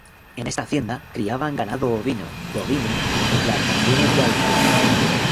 En esta hacienda, criaban ganado ovino, bovino y plantaciones de alfalfa.